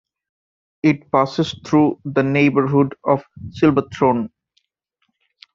It passes through the neighbourhood of Silverthorne.